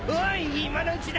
今のうちだ！